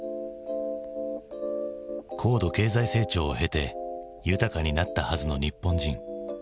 高度経済成長を経て豊かになったはずの日本人。